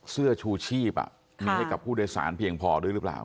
เสื้อชูชีพมีให้กับผู้โดยสารเพียงพอด้วยหรือเปล่า